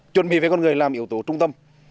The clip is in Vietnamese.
chuẩn bị với con người làm yếu tố trung tâm